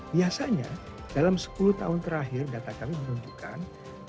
biasanya dalam sepuluh tahun terakhir data kami menunjukkan